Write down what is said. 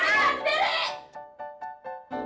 ibu ikut sendiri